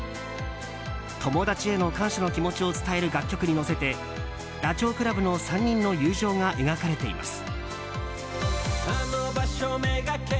友達への感謝の気持ちを伝える楽曲に乗せてダチョウ倶楽部の３人の友情が描かれています。